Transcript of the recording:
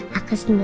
dia kayakwhen badut